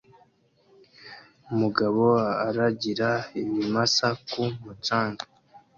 umugabo aragira ibimasa ku mucanga